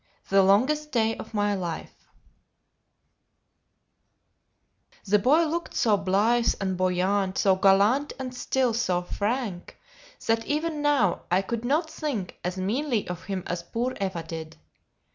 THE LONGEST DAY OF MY LIFE The boy looked so blithe and buoyant, so gallant and still so frank, that even now I could not think as meanly of him as poor Eva did.